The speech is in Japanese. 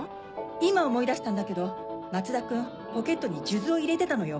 今思い出したんだけど松田君ポケットに数珠を入れてたのよ。